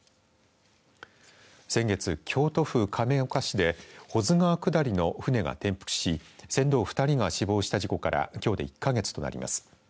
先月、京都府亀岡市で保津川下りの舟が転覆し船頭２人が死亡した事故からきょうで１か月となります。